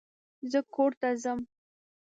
زه کورته ځم.